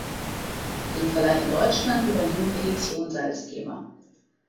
Den Verleih in Deutschland übernimmt Edition Salzgeber.